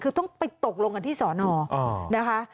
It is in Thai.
คือต้องไปตกลงกันที่สอนอนะคะ